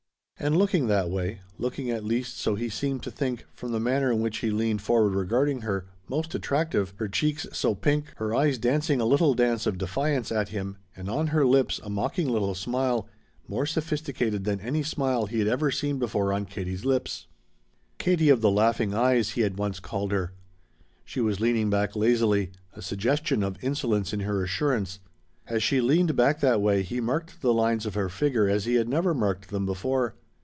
And looking that way; looking, at least so he seemed to think, from the manner in which he leaned forward regarding her most attractive, her cheeks so pink, her eyes dancing a little dance of defiance at him, and on her lips a mocking little smile, more sophisticated than any smile he had ever seen before on Katie's lips. "Katie of the laughing eyes" he had once called her. She was leaning back lazily, a suggestion of insolence in her assurance. As she leaned back that way he marked the lines of her figure as he had never marked them before.